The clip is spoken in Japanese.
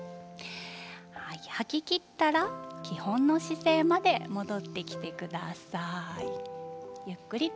吐ききったら基本の姿勢まで戻ってきてください。